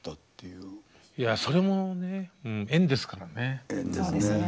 いやそれもね縁ですからね。